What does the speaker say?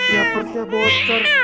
ya perutnya bocor